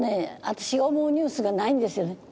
私が思うニュースがないんですよね。